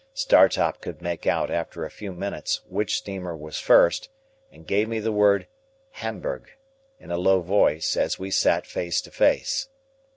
Startop could make out, after a few minutes, which steamer was first, and gave me the word "Hamburg," in a low voice, as we sat face to face.